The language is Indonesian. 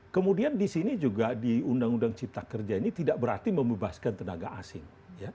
kemudian di sini juga di undang undang cipta kerja ini tidak berarti membebaskan tenaga asing